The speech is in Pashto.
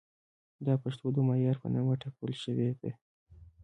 دا پښتو د معیار په نامه ټپل شوې ده.